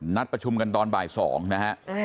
นัดประชุมกันตอนบ่าย๒นะฮะ